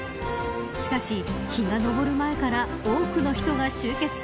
しかし、日が昇る前から多くの人が集結。